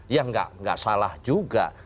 ya nggak salah juga